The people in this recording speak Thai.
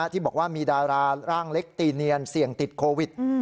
ที่บอกว่ามีดาราร่างเล็กตีเนียนเสี่ยงติดโควิด